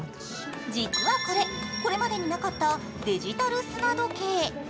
実はこれ、これまでになかったデジタル砂時計。